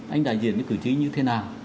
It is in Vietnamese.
anh đại diện lấy cử trí như thế nào